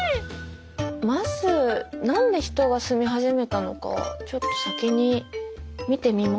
まず何で人が住み始めたのかちょっと先に見てみますか。